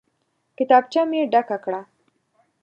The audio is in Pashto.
کتابچه مې ډکه کړه.